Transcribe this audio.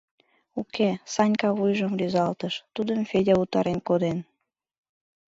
— Уке, — Санька вуйжым рӱзалтыш, — тудым Федя утарен коден.